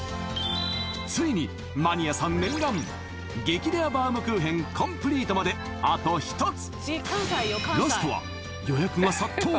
ついにマニアさん念願激レアバウムクーヘンコンプリートまであと一つラストは予約が殺到